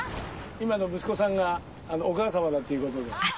今ね息子さんがお母さまだっていうことで。